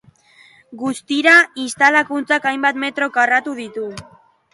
Guztira, instalakuntzak hainbat metro karratu ditu.